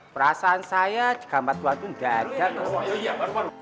perasaan saya jika mbak tuhan itu nggak ada kok